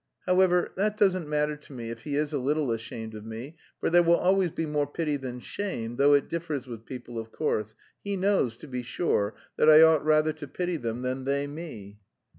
"However, that doesn't matter to me, if he is a little ashamed of me, for there will always be more pity than shame, though it differs with people, of course. He knows, to be sure, that I ought rather to pity them than they me."